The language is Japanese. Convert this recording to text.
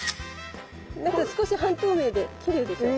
少し半透明できれいでしょ。ね